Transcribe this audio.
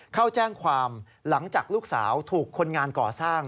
เข้าแจ้งความหลังจากลูกสาวถูกคนงานก่อสร้าง